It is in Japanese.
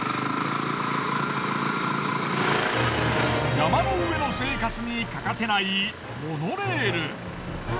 山の上の生活に欠かせないモノレール。